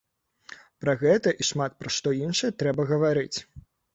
Пра гэта і шмат пра што іншае трэба гаварыць.